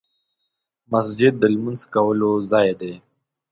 مسجد د لمونځ کولو ځای دی .